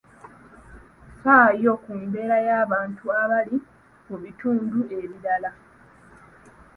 Ffaayo ku mbeera y'abantu abali mu bitundu ebirala.